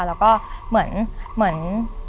แล้วก็เหมือน